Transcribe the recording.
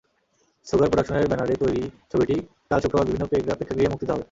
Sugar প্রোডাকশনের ব্যানারে তৈরি ছবিটি কাল শুক্রবার বিভিন্ন প্রেক্ষাগৃহে মুক্তি দেওয়া হবে।